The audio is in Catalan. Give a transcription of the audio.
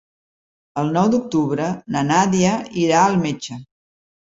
El nou d'octubre na Nàdia irà al metge.